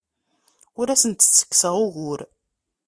Ur asent-ttekkseɣ ugur.